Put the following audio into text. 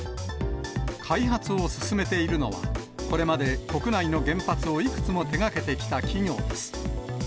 開発を進めているのは、これまで国内の原発をいくつも手がけてきた企業です。